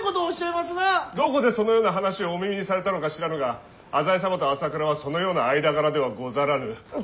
どこでそのような話をお耳にされたのか知らぬが浅井様と朝倉はそのような間柄ではござらぬ。